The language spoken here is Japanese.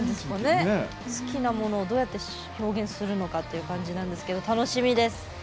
好きなものをどうやって表現するのかという感じですが楽しみです！